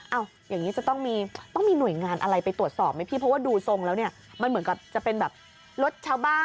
เอาอย่างนี้จะต้องมีต้องมีหน่วยงานอะไรไปตรวจสอบไหมพี่เพราะว่าดูทรงแล้วเนี่ยมันเหมือนกับจะเป็นแบบรถชาวบ้าน